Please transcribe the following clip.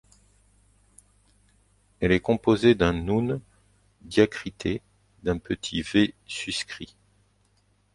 Elle est composée d’un nūn diacrité d’un petit v suscrit.